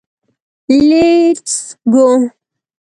لېټس ګو.